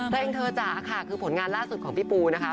แต่งเธอจ๋าค่ะคือผลงานสุดของพี่ปูนะคะ